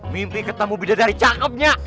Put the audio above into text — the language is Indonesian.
mimpi ketemu bidadari cakep nge